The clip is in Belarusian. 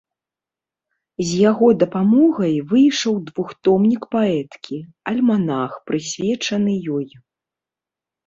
З яго дапамогай выйшаў двухтомнік паэткі, альманах, прысвечаны ёй.